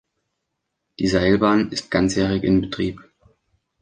Die Seilbahn ist ganzjährig in Betrieb.